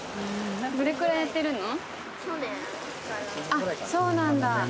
あっそうなんだ